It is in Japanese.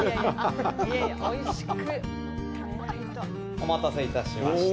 お待たせいたしました。